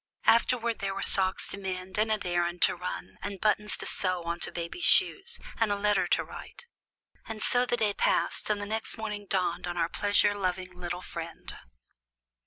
Afterward there were socks to mend, and an errand to run, and buttons to sew on to baby's shoes, and a letter to write. And so the day passed, and the next morning dawned on our pleasure loving little friend.